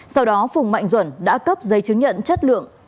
sau đó phùng mạnh duẩn đã cấp giấy chứng nhận chất lượng